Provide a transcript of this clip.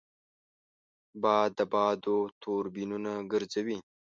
باد د بادو توربینونه ګرځوي